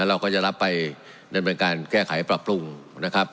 เราก็จะรับไปดำเนินการแก้ไขปรับปรุงนะครับ